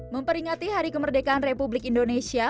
memperingati hari kemerdekaan republik indonesia